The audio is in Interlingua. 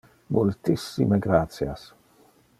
Multissime gratias!